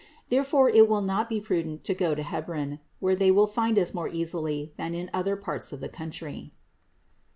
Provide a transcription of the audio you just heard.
Therefore it will not be prudent to go to Hebron, where they will find us more easily than in any other parts of the country."